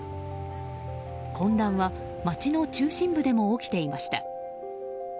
混乱は街の中心部でも起きていました。